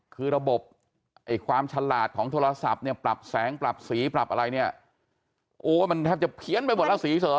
คือระบบไอ้ความฉลาดของโทรศัพท์เนี่ยปรับแสงปรับสีปรับอะไรเนี่ยโอ้มันแทบจะเพี้ยนไปหมดแล้วสีเสอ